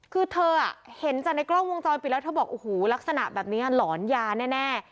คือเธอเห็นจากในกล้องวงจรปิดแล้วเธอบอกโอ้โหลักษณะแบบนี้หลอนยาแน่